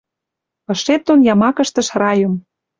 Ышет дон ямакыштыш райым